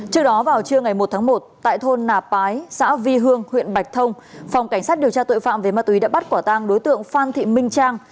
trước đó vào trưa ngày một tháng một tại thôn nà pái xã vi hương huyện bạch thông phòng cảnh sát điều tra tội phạm về ma túy đã bắt quả tang đối tượng phan thị minh trang